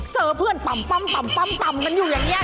เจอเพื่อนปั๊มกันอยู่อย่างนี้